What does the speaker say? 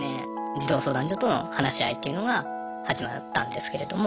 児童相談所との話し合いっていうのが始まったんですけれども。